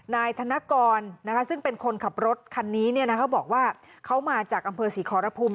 นายธนกรซึ่งเป็นคนขับรถคันนี้เขาบอกว่าเขามาจากอำเภอศรีขอรพุม